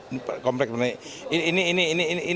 di kompleks parlemen itu